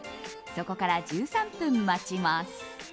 そこから１３分待ちます。